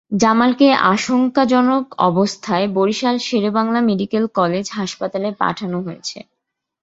জামালকে আশঙ্কাজনক অবস্থায় Barishal Sher e Bangla medical college হাসপাতালে পাঠানো হয়।